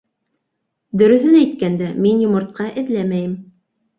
—Дөрөҫөн әйткәндә, мин йомортҡа эҙләмәйем!